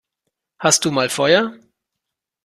Hast du mal Feuer?